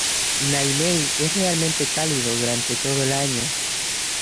Niamey es realmente cálido durante todo el año.